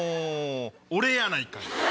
俺やないかい。